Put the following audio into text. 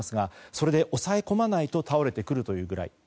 それで抑え込まないと倒れてくるぐらい。